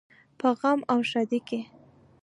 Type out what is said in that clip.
په غم او ښادۍ کې.